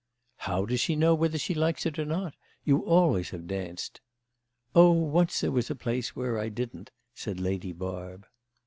"How does she know whether she likes it or not? You always have danced." "Oh, once there was a place where I didn't," said Lady Barb.